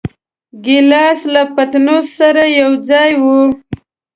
ګیلاس له پتنوس سره یوځای وي.